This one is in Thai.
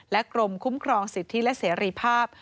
กรมคุ้มครองสิทธิและเสรีภาพ